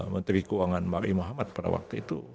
menteri keuangan mari muhammad pada waktu itu